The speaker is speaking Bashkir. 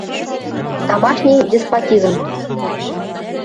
Домашний деспотизм!